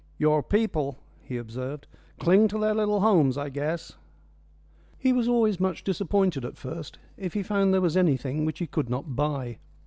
"Your people," he observed, "cling to their little homes, I guess." He was always much disappointed at first if he found there was anything which he could not buy.